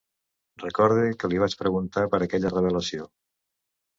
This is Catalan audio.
Recorde que li vaig preguntar per aquella revelació...